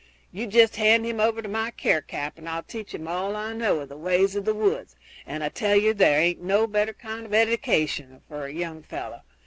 You jest hand him over to my care, cap, and I'll teach him all I know of the ways of the woods, and I tell yer there aint no better kind of edication for a young fellow.